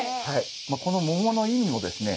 この桃の意味もですね